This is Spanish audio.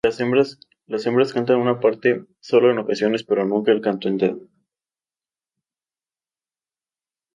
Las hembras cantan una parte solo en ocasiones, pero nunca el canto entero.